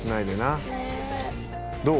「どう？